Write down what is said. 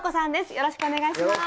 よろしくお願いします。